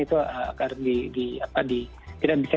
itu tidak bisa